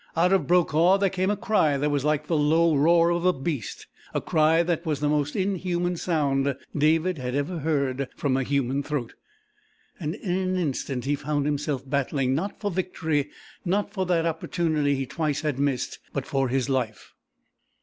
Out of Brokaw there came a cry that was like the low roar of a beast; a cry that was the most inhuman sound David had ever heard from a human throat, and in an instant he found himself battling not for victory, not for that opportunity he twice had missed, but for his life.